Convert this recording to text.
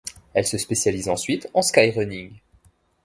Elle se spécialise ensuite en skyrunning.